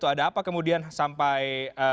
ada apa kemudian sampai